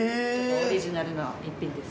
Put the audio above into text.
オリジナルの一品です。